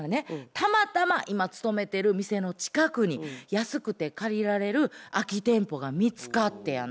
たまたま今勤めてる店の近くに安くて借りられる空き店舗が見つかってやな。